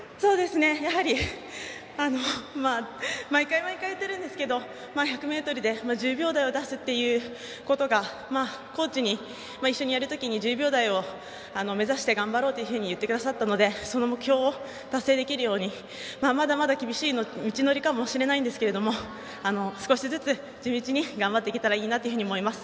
やはり毎回、毎回言っているんですけど１００ｍで１０秒台を出すということがコーチに一緒にやる時に１０秒台を目指して頑張ろうというふうに言ってくださったのでその目標を達成できるようにまだまだ厳しい道のりかもしれないんですが少しずつ地道に頑張っていけたらいいなと思います。